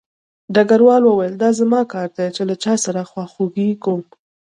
ډګروال وویل دا زما کار دی چې له چا سره خواخوږي کوم